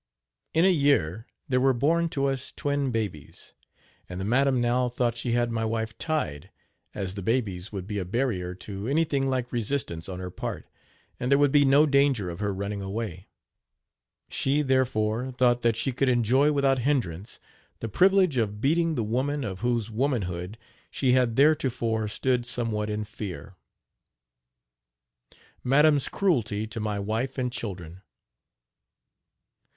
In a year there were born to us twin babies; and the madam now thought she had my wife tied, as the babies would be a barrier to anything like resistance on her part, and there would be no danger of her running away. She, therefore, thought that she could enjoy, without hindrance, the privilege of beating the woman of whose womanhood she had theretofore stood somewhat in fear. MADAM'S CRUELTY TO MY WIFE AND CHILDREN.